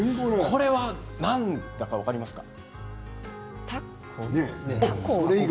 これは何だか分かりますか。